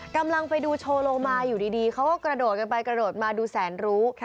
กำลังไปดูโชว์โลมาอยู่ดีเขาก็กระโดดกันไปกระโดดมาดูแสนรู้